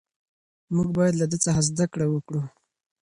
موږ باید له ده څخه زده کړه وکړو.